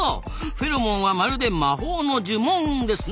フェロモンはまるで魔法の呪文ですな。